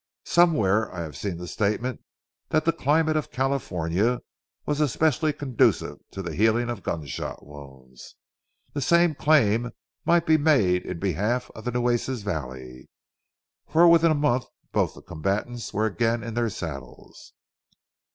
Somewhere I have seen the statement that the climate of California was especially conducive to the healing of gunshot wounds. The same claim might be made in behalf of the Nueces valley, for within a month both the combatants were again in their saddles.